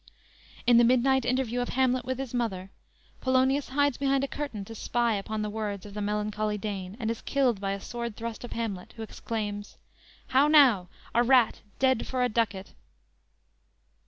"_ In the midnight interview of Hamlet with his mother, Polonius hides behind a curtain to spy upon the words of the "melancholy Dane," and is killed by a sword thrust of Hamlet, who exclaims: _"How now! a rat, dead for a ducat."